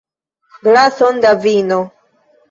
Glason da vino.